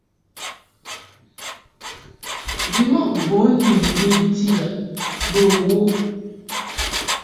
Bimɔʼ bun ni mventi yab bə wo.